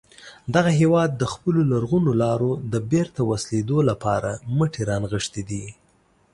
دغه هیواد د خپلو لرغونو لارو د بېرته وصلېدو لپاره مټې را نغښتې دي.